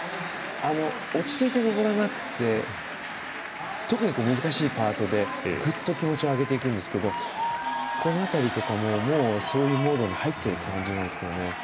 落ち着いて登って特に難しいパートでグッと気持ちを上げていくんですけどこの辺りとかもこういうモードに入ってる感じなんですけどね。